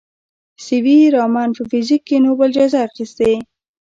سي وي رامن په فزیک کې نوبل جایزه اخیستې.